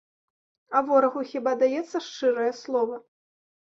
А ворагу хіба даецца шчырае слова?